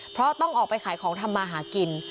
เพราะต้องออกไปขายของทำมาหากิน